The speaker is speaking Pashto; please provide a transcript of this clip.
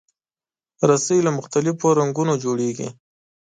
رسۍ له مختلفو رنګونو جوړېږي.